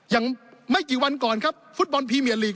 ยังไม่กี่วันก่อนครับฟุตบอลพรีเมียลีก